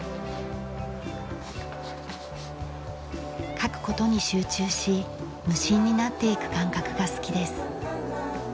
書く事に集中し無心になっていく感覚が好きです。